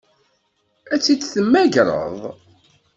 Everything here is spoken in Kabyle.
Ad tt-id-temmagreḍ?